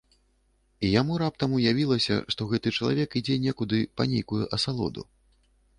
І яму раптам уявілася, што гэты чалавек ідзе некуды па нейкую асалоду.